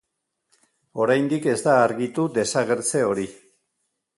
Oraindik ez da argitu desagertze hori.